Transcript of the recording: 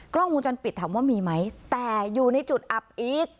กล้องวงจรปิดถามว่ามีไหมแต่อยู่ในจุดอับอีท